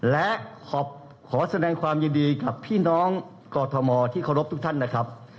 และขอแสดงความยินดีกับพี่น้องกอทมที่เคารพทุกท่านนะครับ